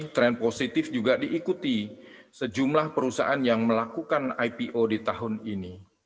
tren positif juga diikuti sejumlah perusahaan yang melakukan ipo di tahun ini